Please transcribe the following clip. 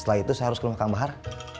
setelah itu saya harus ke rumah kang bahar